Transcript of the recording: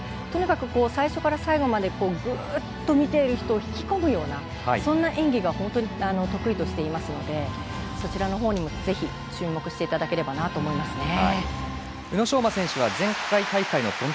とにかく最初から最後までぐっと見ている人を引き込むような演技を本当に得意としていますのでそちらのほうにもぜひ注目していただければと思います。